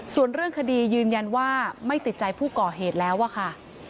ส่วนเรื่องคดียืนยันว่าไม่ติดใจผู้ก่อเหตุแล้วอะค่ะ